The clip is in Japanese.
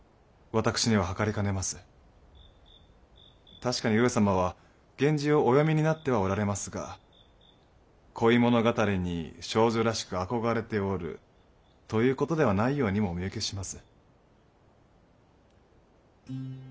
確かに上様は源氏をお読みになってはおられますが恋物語に少女らしく憧れておるということではないようにもお見受けします。